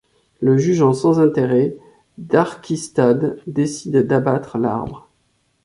Le jugeant sans intérêt, Darquistade décide d'abattre l'arbre.